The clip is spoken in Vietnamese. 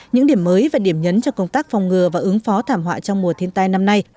những điểm mới và điểm nhấn cho công tác phòng ngừa và ứng phó thảm họa trong mùa thiên tai năm nay